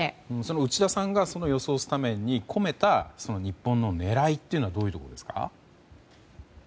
内田さんが予想スタメンに込めた日本の狙いはどういうところですか？